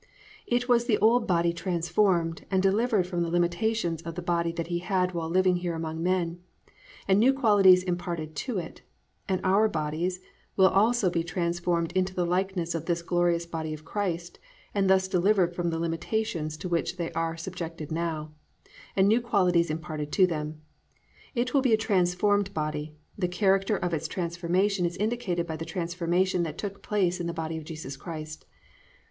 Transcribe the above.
It was the old body transformed and delivered from the limitations of the body that He had while living here among men, and new qualities imparted to it, and our bodies will also be transformed into the likeness of this glorious body of Christ and thus delivered from the limitations to which they are subjected now, and new qualities imparted to them. It will be a transformed body; the character of its transformation is indicated by the transformation that took place in the body of Jesus Christ.